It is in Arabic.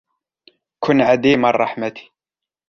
كُن عديم الرحمة.